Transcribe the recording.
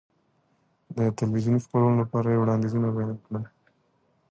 د تلویزیوني خپرونو لپاره یې وړاندیزونه بیان کړل.